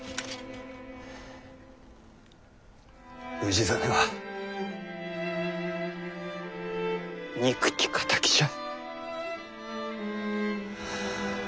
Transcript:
氏真は憎き敵じゃ！